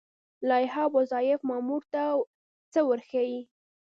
لایحه وظایف مامور ته څه ورښيي؟